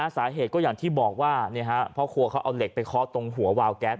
สาเหตุก็อย่างที่บอกว่าพ่อครัวเขาเอาเหล็กไปเคาะตรงหัววาวแก๊ส